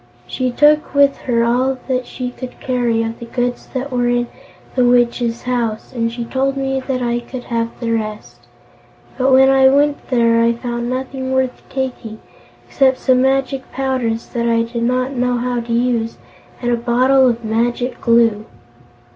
She took with her all that she could carry of the goods that were in the Witch's house, and she told me I could have the rest. But when I went there I found nothing worth taking except some magic powders that I did not know how to use, and a bottle of Magic Glue."